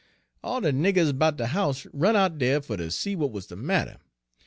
"All de niggers 'bout de house run out dere fer ter see w'at wuz de matter.